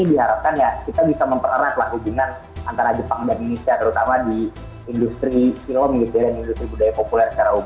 saya harapkan ya kita bisa mempereratlah hubungan antara jepang dan indonesia terutama di industri militer dan industri budaya populer secara umum